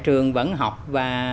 trường vẫn học và